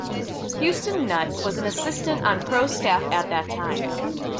Houston Nutt was an assistant on Crowe's staff at that time.